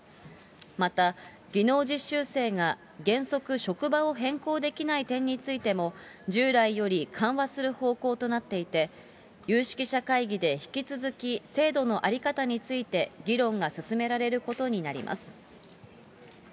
また、技能実習生が原則職場を変更できない点についても、従来より緩和する方向となっていて、有識者会議で引き続き制度の在り方について議論が進められることになります。